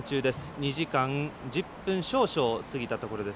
２時間１０分少々過ぎたところです。